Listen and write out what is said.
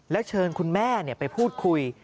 แล้วเชิญคุณแม่ไปพูดคุย